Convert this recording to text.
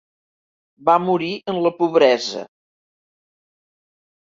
Va morir en la pobresa.